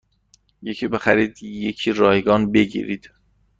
یکی بخرید یکی رایگان بگیرید